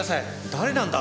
誰なんだ？